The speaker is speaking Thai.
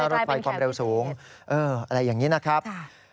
รถไฟความเร็วสูงอะไรอย่างนี้นะครับ